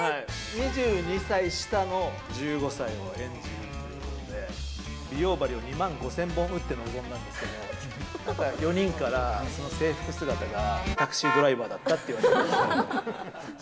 ２２歳下の１５歳を演じるっていうので、美容針を２万５０００本打って臨んだけれども、４人から制服姿がタクシードライバーだったって言われました。